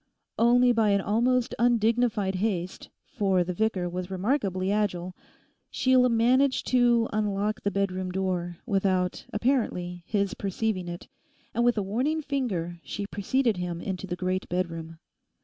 Only by an almost undignified haste, for the vicar was remarkably agile, Sheila managed to unlock the bedroom door without apparently his perceiving it, and with a warning finger she preceded him into the great bedroom.